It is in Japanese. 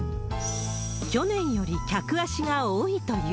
去年より客足が多いという。